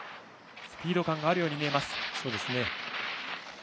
スピード感があるように見えます。